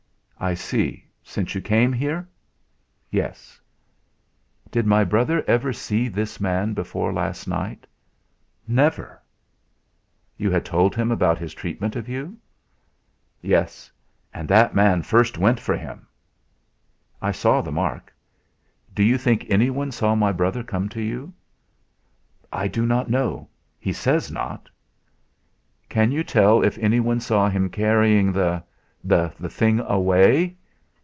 "I see; since you came here." "Yes." "Did my brother ever see this man before last night?" "Never." "You had told him about his treatment of you?" "Yes. And that man first went for him." "I saw the mark. Do you think anyone saw my brother come to you?" "I do not know. He says not." "Can you tell if anyone saw him carrying the the thing away?"